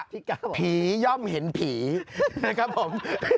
พี่ก้าวพี่ย่อมเห็นผีนะครับผม